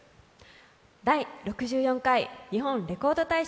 「第６４回日本レコード大賞」